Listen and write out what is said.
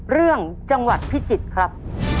เรื่องจังหวัดพิจิตรครับ